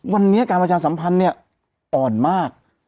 วันนี้การประชาสัมพันธ์เนี่ยอ่อนมาก